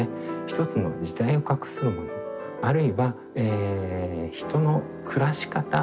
一つの時代を画するものあるいは人の暮らし方そのものにまでですね